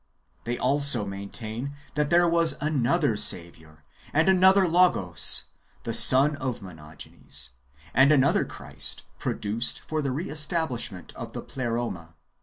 They also maintain that there was another Saviour, and another Logos, the son of Monogenes, and another Christ produced for the re establishment of the Ple roma.